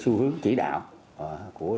xu hướng chỉ đạo của